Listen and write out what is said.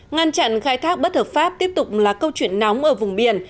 ngăn chặn khai thác bất hợp pháp tiếp tục là câu chuyện nóng ở vùng biển